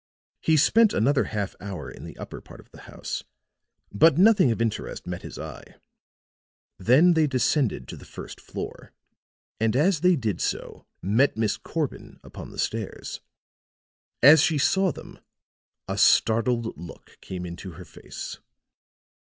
He spent another half hour in the upper part of the house, but nothing of interest met his eye. Then they descended to the first floor; and as they did so, met Miss Corbin upon the stairs. As she saw them, a startled look came into her face.